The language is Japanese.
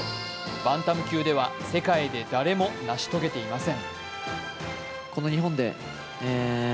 バンタム級では世界で誰も成し遂げていません。